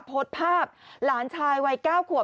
พดภาพหลานชายวัย๙ขวด